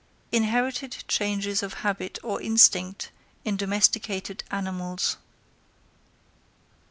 _Inherited Changes of Habit or Instinct in Domesticated Animals.